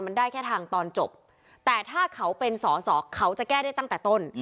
มันได้แค่ทางตอนจบแต่ถ้าเขาเป็นสอสอเขาจะแก้ได้ตั้งแต่ต้น